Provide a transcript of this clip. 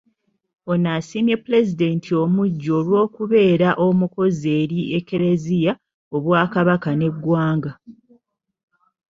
Ono asiimye Pulezidenti omuggya olw’okubeera omukozi eri eklezia, Obwakabaka n’eggwanga.